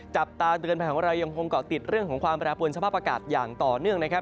จับตาเตือนภัยของเรายังคงเกาะติดเรื่องของความแปรปวนสภาพอากาศอย่างต่อเนื่องนะครับ